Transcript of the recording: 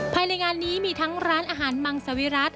ภายในงานนี้มีทั้งร้านอาหารมังสวิรัติ